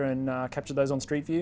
dan menemukan mereka di street view